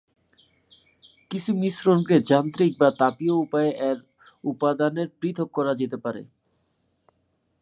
কিছু মিশ্রণকে যান্ত্রিক বা তাপীয় উপায়ে এর উপাদানে পৃথক করা যেতে পারে।